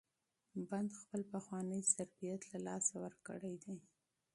بند خپل پخوانی ظرفیت له لاسه ورکړی دی.